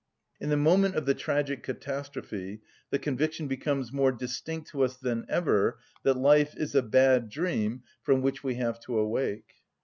In the moment of the tragic catastrophe the conviction becomes more distinct to us than ever that life is a bad dream from which we have to awake.